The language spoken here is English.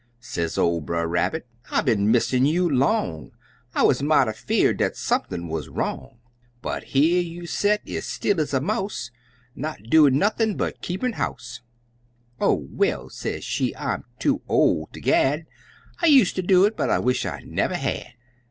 Sez ol' Brer Rabbit, "I been missin' you long, I wuz mighty fear'd dat sump'n wuz wrong, But here you set ez still ez a mouse, Not doin' nothin' but keepin' house!" "Oh, well," se' she, "I'm too ol' ter gad, I use' ter do it, but I wish I never had!